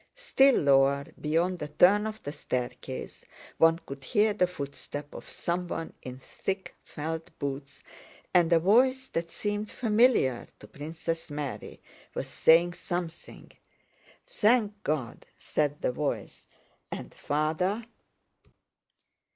Still lower, beyond the turn of the staircase, one could hear the footstep of someone in thick felt boots, and a voice that seemed familiar to Princess Mary was saying something. "Thank God!" said the voice. "And Father?"